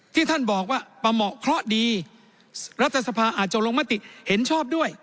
ที่ท่านบอกว่าประเหมาะเคราะห์ดีรัฐสภาอาจจะลงมติเห็นชอบด้วย